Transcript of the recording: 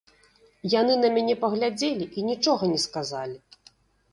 Яны на мяне паглядзелі і нічога не сказалі.